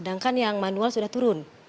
sedangkan yang manual sudah turun